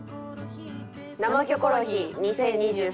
「生キョコロヒー２０２３」。